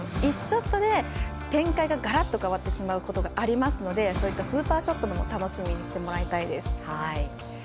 ショットで展開がガラッと変わってしまうこともあるのでそういうスーパーショットも楽しみにしてもらいたいです。